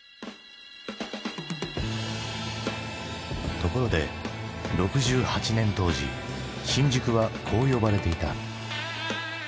ところで６８年当時新宿はこう呼ばれていた。